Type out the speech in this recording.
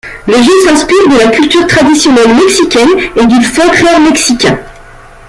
Le jeu s'inspire de la culture traditionnelle mexicaine et du folklore mexicain.